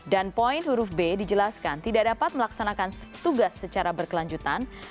poin huruf b dijelaskan tidak dapat melaksanakan tugas secara berkelanjutan